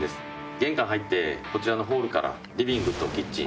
玄関入ってこちらのホールからリビングとキッチン